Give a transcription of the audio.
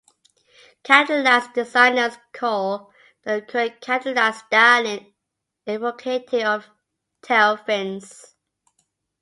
Cadillac's designers call the current Cadillac's styling evocative of tailfins.